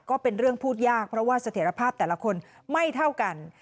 ก็เป็นเรื่องพูดยากเพราะว่าเสถียรภาพแต่ละคนไม่เท่ากัน